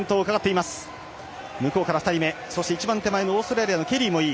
向こうから２人目１番手前のオーストラリアのケリーもいい。